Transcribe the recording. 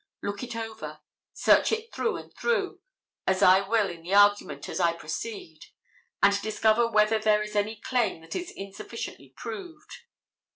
Look it over, search it through and through, as I will in the argument as I proceed, and discover whether there is any claim that is insufficiently proved.